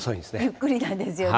ゆっくりなんですよね。